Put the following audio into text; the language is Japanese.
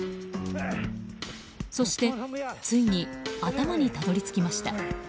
そしてついに頭にたどり着きました。